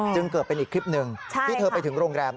จึงเกิดเป็นอีกคลิปหนึ่งที่เธอไปถึงโรงแรม